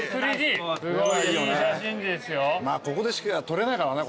ここでしか撮れないからね。